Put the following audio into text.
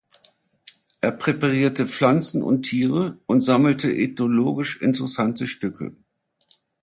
Er präparierte Pflanzen und Tiere und sammelte ethnologisch interessante Stücke.